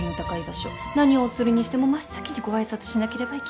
何をするにしても真っ先にご挨拶しなければいけません。